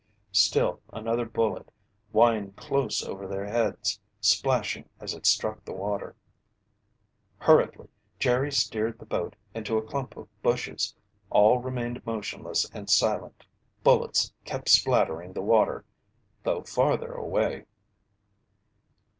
Still another bullet whined close over their heads, splashing as it struck the water. Hurriedly Jerry steered the boat into a clump of bushes. All remained motionless and silent. Bullets kept splattering the water, though farther away.